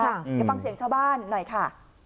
เดี๋ยวฟังเสียงชาวบ้านหน่อยค่ะ